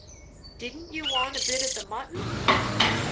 "Didn't you want a bit of the mutton?"